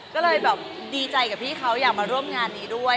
ก็เลยแบบดีใจกับพี่เขาอยากมาร่วมงานนี้ด้วย